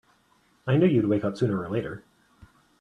I knew you'd wake up sooner or later!